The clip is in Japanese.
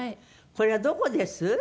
これはどこです？